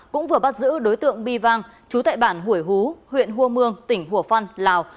cũng vừa bắt giữ đối tượng bi vang chú tại bản hủy hú huyện hua mương tỉnh hồ phân lào